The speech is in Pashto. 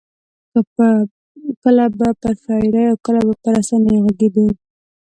کله به پر شاعرۍ او کله پر رسنیو غږېدو.